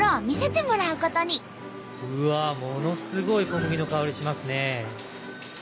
ものすごい小麦の香りしますね。